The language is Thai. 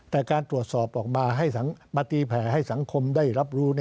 แต่การตรวจสอบออกมามาตีแผลให้สังคมได้รับรู้